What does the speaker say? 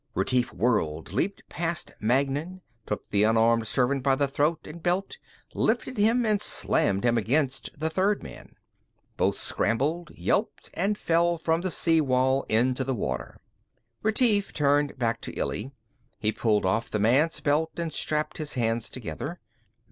Retief whirled, leaped past Magnan, took the unarmed servant by the throat and belt, lifted him and slammed him against the third man. Both scrambled, yelped and fell from the sea wall into the water. Retief turned back to Illy. He pulled off the man's belt and strapped his hands together.